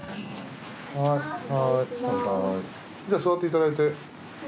・じゃあ座って頂いて。